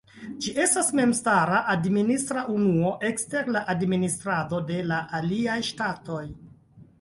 Ĝi estas memstara administra unuo ekster la administrado de la aliaj ŝtatoj.